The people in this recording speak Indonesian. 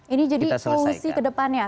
ini jadi solusi ke depannya